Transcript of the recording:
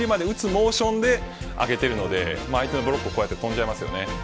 モーションで上げてるので相手のブロックをこうやって跳んでますよね